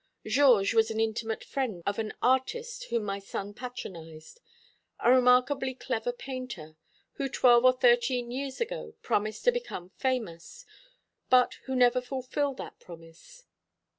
Georges was an intimate friend of an artist whom my son patronised; a remarkably clever painter, who twelve or thirteen years ago promised to become famous, but who never fulfilled that promise.